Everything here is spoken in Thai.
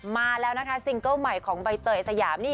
มาแล้วนะคะซิงเกิ้ลใหม่ของใบเตยสยามนี่